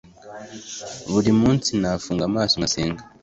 buri munsi nafunga amaso ngasenga,